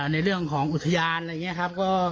ในเรื่องของอุทยานอะไรอย่างนี้ครับ